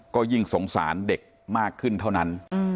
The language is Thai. ก็ยิ่งสงสารเด็กมากขึ้นเท่านั้น